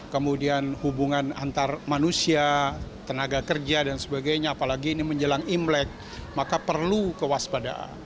kemudian hubungan antar manusia